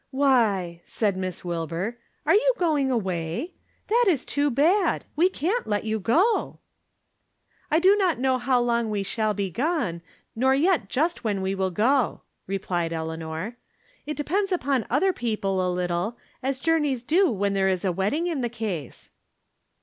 " Why !" said Miss Wilbur, " are you going away ? That is too bad I We can't let you go !"" I do not know how long we shall be gone, nor just when we shall go," replied Eleanor. " It depends upon other people a little, as jour neys do when there is a wedding in the case."